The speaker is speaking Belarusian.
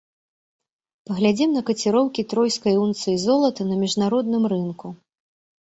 Паглядзім на каціроўкі тройскай унцыі золата на міжнародным рынку.